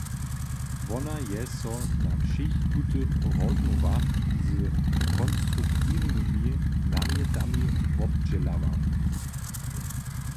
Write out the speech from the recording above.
Wona je so na wšěch tutych rozmołwach z konstruktiwnymi namjetami wobdźělała.